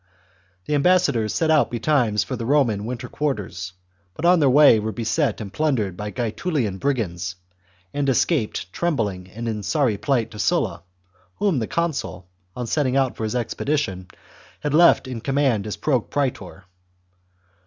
The ambassadors set out betimes for the Roman winter quarters, but on their way were beset and plundered by Gaetulian brigands, and escaped trembling and in sorry plight to Sulla, whom the consul, on setting out for his expedition, had left in •command as pro praetor.